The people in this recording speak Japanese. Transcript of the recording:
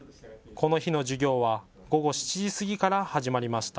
この日の授業は午後７時過ぎから始まりました。